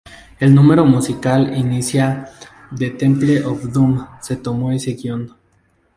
El número musical inicial de "Temple of Doom" se tomó de ese guion.